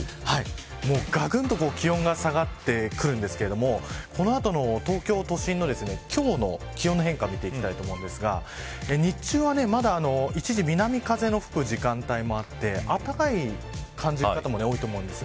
がくんと気温が下がっていくんですけれどもこの後の東京都心の今日の気温の変化見ていきたいと思いますが日中はまだ、一時南風の吹く時間帯もあってあったかく感じる方も多いと思いますが